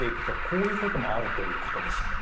こういうこともあるということですね。